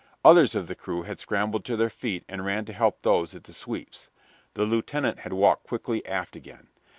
Others of the crew had scrambled to their feet and ran to help those at the sweeps. The lieutenant had walked quickly aft again.